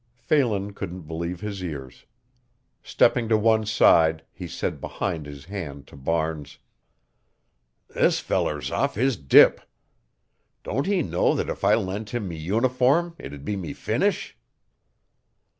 Phelan couldn't believe his ears. Stepping to one side he said behind his hand to Barnes: "This feller's off his dip. Don't he know that if I lent him me uniform it'd be me finish."